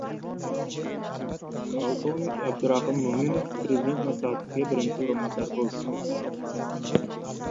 Polkovnik Abdurahim Mo‘minov Prezident maslahatchisiga birinchi o‘rinbosar bo‘ldi